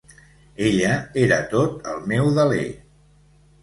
Ella era tot el meu deler.